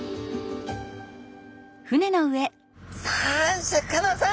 さあシャーク香音さん！